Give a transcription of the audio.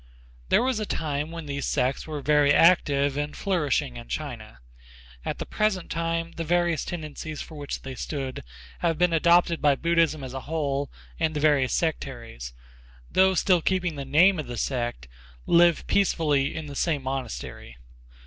There was a time when these sects were very active and flourishing in China. At the present time the various tendencies for which they stood have been adopted by Buddhism as a whole and the various sectaries, though still keeping the name of the sect, live peacefully in the same monastery.